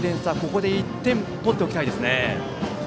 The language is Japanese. ここで１点を取っておきたいですね。